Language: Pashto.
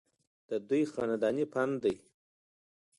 ددوي خانداني فن دے